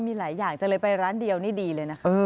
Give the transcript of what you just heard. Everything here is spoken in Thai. มีหลายอย่างแต่เลยไปร้านเดียวนี่ดีเลยนะคะ